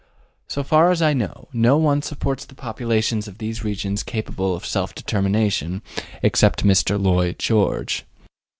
So far as I know, no one supposes the populations of these regions capable of self determination, except Mr. Lloyd George.